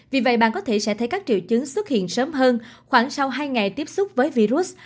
vì vậy bạn có thể sẽ thấy các triệu chứng xuất hiện sớm hơn khoảng sau hai ngày tiếp xúc với virus